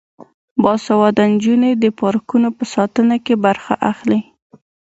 باسواده نجونې د پارکونو په ساتنه کې برخه اخلي.